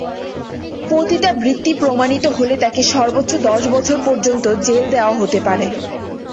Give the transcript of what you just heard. পতিতাবৃত্তি প্রমাণিত হলে তাকে সর্বোচ্চ দশ বছর পর্যন্ত জেল দেওয়া হতে পারে।